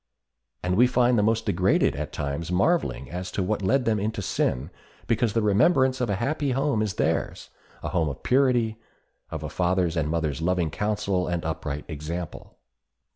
And we find the most degraded at times marveling as to what led them into sin, because the remembrance of a happy home is theirs—a home of purity, of a father's and mother's loving counsel and upright example.